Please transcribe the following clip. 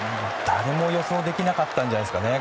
誰も予想できなかったんじゃないですかね。